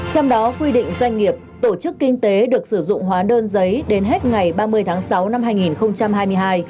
trong đó quy định doanh nghiệp tổ chức kinh tế được sử dụng hóa đơn giấy đến hết ngày ba mươi tháng sáu năm hai nghìn hai mươi hai